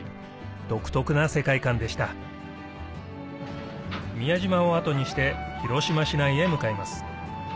独特な世界観でした宮島を後にして広島市内へ向かいます